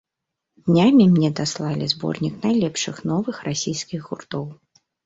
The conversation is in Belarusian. Днямі мне даслалі зборнік найлепшых новых расійскіх гуртоў.